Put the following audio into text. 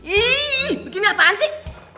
iiiih begini apaan sih